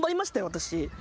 私。